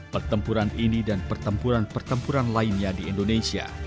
pertempuran ini dan pertempuran pertempuran lainnya di indonesia